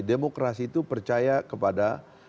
demokrasi itu percaya kepada